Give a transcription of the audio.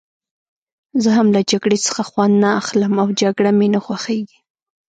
زه هم له جګړې څخه خوند نه اخلم او جګړه مې نه خوښېږي.